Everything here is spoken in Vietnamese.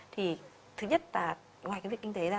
thì thứ nhất là ngoài cái việc kinh tế là